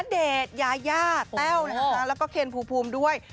เดชยายาแต้วแล้วก็เคนภูมิด้วย